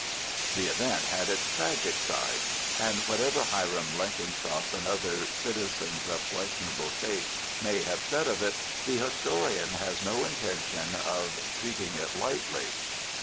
The event had its tragic side and whatever Hiram Blenkinsop and other citizens of questionable taste may have said of it, the historian has no intention of treating it lightly.